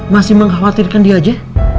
masih mengkhawatirkan dia aja